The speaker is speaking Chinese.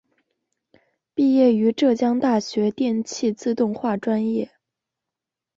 毕业于浙江大学电气自动化专业。